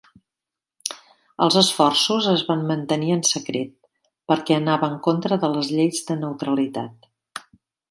Els esforços es van mantenir en secret perquè anava en contra de les lleis de neutralitat.